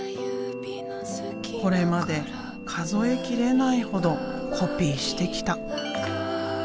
これまで数えきれないほどコピーしてきた。